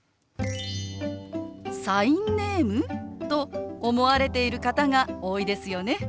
「サインネーム？」と思われている方が多いですよね。